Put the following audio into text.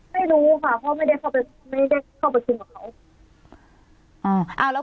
ไม่รู้ค่ะเพราะไม่ได้เข้าประชุมกับเขา